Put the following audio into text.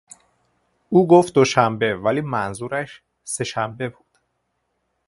او گفت دوشنبه ولی منظورش سهشنبه بود.